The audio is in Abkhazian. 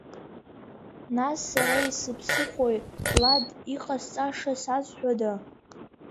Нас, сара исыԥсыхәои, Лад, иҟасҵаша сазҳәода?!